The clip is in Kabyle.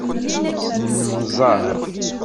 Nemmẓer.